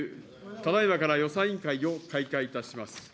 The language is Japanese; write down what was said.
ただいまから予算委員会を開会いたします。